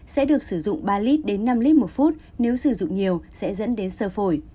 sẽ được sử dụng ba lít đến năm lít một phút nếu sử dụng nhiều sẽ dẫn đến sơ phổi